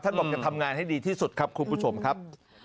บอกจะทำงานให้ดีที่สุดครับคุณผู้ชมครับ